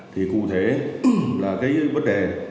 thì cụ thể là cái vấn đề